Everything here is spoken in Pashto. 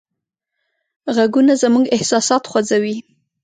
غږونه زموږ احساسات خوځوي.